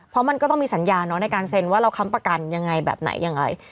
เพราะมันก็ต้องมีสัญญาในการเซ็นว่าเราค้ำประกันยังไงแบบไหนอย่างไร